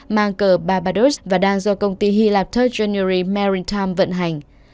mang cờ barbados và đang do công ty hy lạp ba rd january maritime vận hành